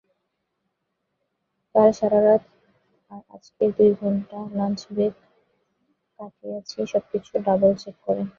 কাল সারারাত আর আজকের দুই ঘণ্টা লাঞ্চ ব্রেক কাটিয়েছি সবকিছু ডাবল-চেক করে।